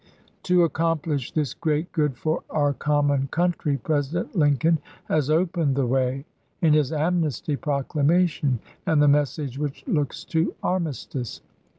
.. "'To accomplish this great good for our com mon country President Lincoln has opened the way in his amnesty proclamation and the message which looks to armistice.